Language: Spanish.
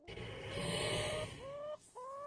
Se graduó en la carrera de Ciencias de la Comunicación.